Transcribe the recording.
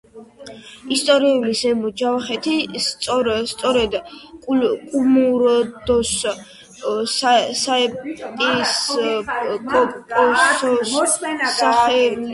ისტორიულად ზემო ჯავახეთი სწორედ კუმურდოს საეპისკოპოსოს სახელითაა ცნობილი.